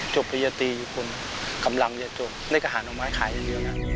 โชคพยาติคุณกำลังจะงด